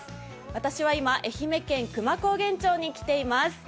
私は愛媛県久万高原町にきています。